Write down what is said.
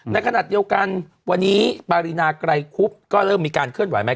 ในขณะเดียวกันวันนี้ปารีนาไกรคุบก็เริ่มมีการเคลื่อนไหวไหม